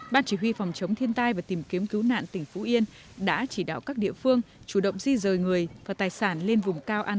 bác sĩ nguyễn văn nguyễn trung tâm huyện đồng xuân trung tâm huyện đồng xuân